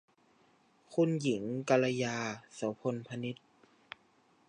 คุณหญิงกัลยา โสภณพนิช